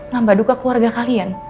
nambah duka keluarga kalian